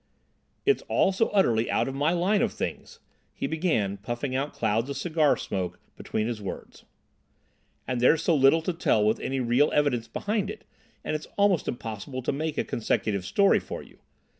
"It's all so utterly out of my line of things," he began, puffing out clouds of cigar smoke between his words, "and there's so little to tell with any real evidence behind it, that it's almost impossible to make a consecutive story for you.